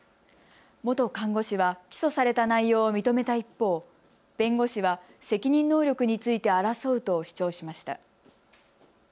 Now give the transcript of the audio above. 元看護師は起訴された内容を認めた一方、弁護士は責任能力について争うと主張しました。